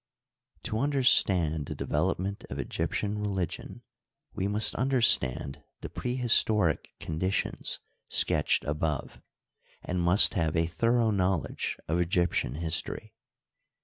To understand the development of Egyptian religion we must understand the prehistoric conditions sketched above, and must have a thorough knowledge of Egyptian history.